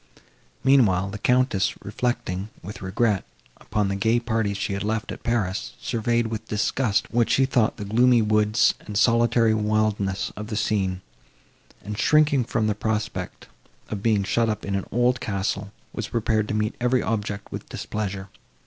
Meanwhile, the Countess, reflecting, with regret, upon the gay parties she had left at Paris, surveyed, with disgust, what she thought the gloomy woods and solitary wildness of the scene; and, shrinking from the prospect of being shut up in an old castle, was prepared to meet every object with displeasure.